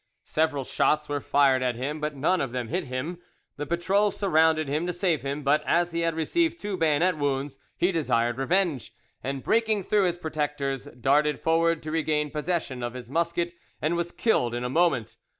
Several shots were fired at him, but none of them hit him; the patrol surrounded him to save him, but as he had received two bayonet wounds, he desired revenge, and, breaking through his protectors, darted forward to regain possession of his musket, and was killed in a moment.